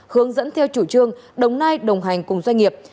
hướng dẫn theo chủ trương đồng nai đồng hành cùng doanh nghiệp